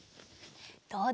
どうだ？